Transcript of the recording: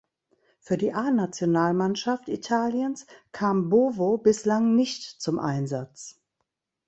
Für die A-Nationalmannschaft Italiens kam Bovo bislang nicht zum Einsatz.